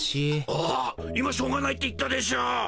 あ今しょうがないって言ったでしょ。